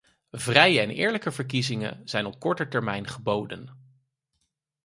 Vrije en eerlijke verkiezingen zijn op korte termijn geboden.